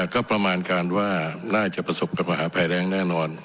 ก็ประมาณการว่าน่าจะประสบกับมหาภัยแรงแน่นอน